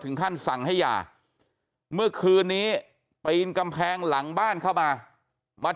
ขั้นสั่งให้หย่าเมื่อคืนนี้ปีนกำแพงหลังบ้านเข้ามามา